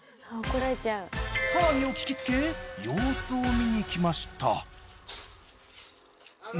騒ぎを聞きつけ様子を見に来ました。